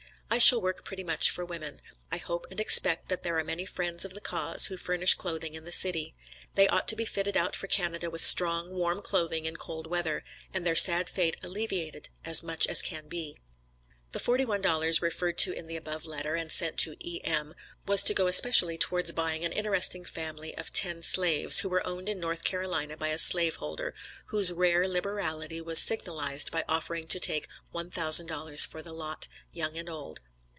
I shall work pretty much for women. I hope and expect there are many friends of the cause who furnish clothing in the city. They ought to be fitted out for Canada with strong, warm clothing in cold weather, and their sad fate alleviated as much as can be." The forty one dollars, referred to in the above letter, and sent to "E.M." was to go especially towards buying an interesting family of ten slaves, who were owned in North Carolina by a slave holder, whose rare liberality was signalized by offering to take $1,000 for the lot, young and old.